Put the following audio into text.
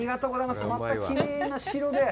またきれいな白で。